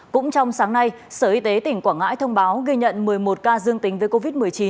cũng trong sáng nay sở y tế tỉnh quảng ngãi thông báo ghi nhận một mươi một ca dương tính với covid một mươi chín